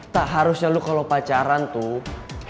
tak harusnya lu kalau pacaran tuh